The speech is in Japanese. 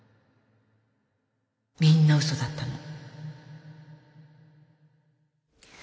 みんな嘘だったの。